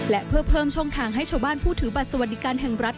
และเพื่อเพิ่มช่องทางให้ชาวบ้านผู้ถือบัตรสวัสดิการแห่งรัฐ